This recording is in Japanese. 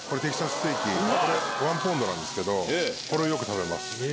これ１ポンドなんですけどこれをよく食べます。